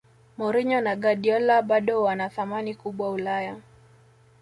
mourinho na guardiola bado wana thamani kubwa ulaya